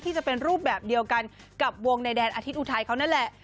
จะเป็นรูปแบบเดียวกันกับวงในแดนอาทิตยอุทัยเขานั่นแหละ